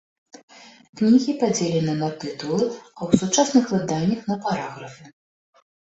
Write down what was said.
Кнігі падзелены на тытулы, а ў сучасных выданнях на параграфы.